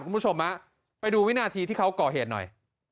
คุณผู้ชมไปดูวินาทีที่เขาก่อเหตุหน่อย